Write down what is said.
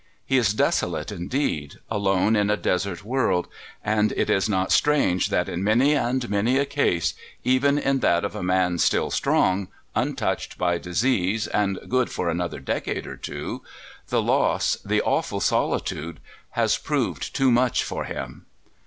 He is desolate, indeed, alone in a desert world, and it is not strange that in many and many a case, even in that of a man still strong, untouched by disease and good for another decade or two, the loss, the awful solitude, has proved too much for him.